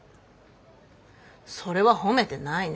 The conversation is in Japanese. それは褒めてないね。